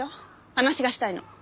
話がしたいの。